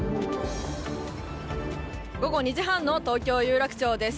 午後２時半の東京・有楽町です。